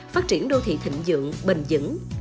phát triển đô thị thịnh dưỡng bình dẫn